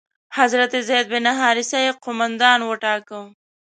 حضرت زید بن حارثه یې قومندان وټاکه.